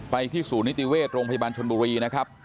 ที่ศูนย์นิติเวชโรงพยาบาลชนบุรีนะครับ